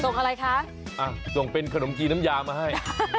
ส่งอะไรคะส่งเป็นขนมจีนน้ำยามาให้